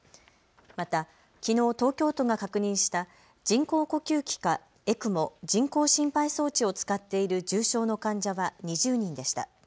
また、きのう東京都が確認した人工呼吸器かＥＣＭＯ・人工心肺装置を使っている重症の患者は２０人でした。